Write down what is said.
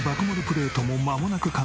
プレートもまもなく完成。